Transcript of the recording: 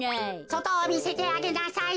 そとをみせてあげなさい。